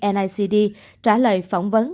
nicd trả lời phỏng vấn